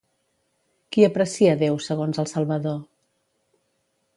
Qui aprecia Déu, segons el Salvador?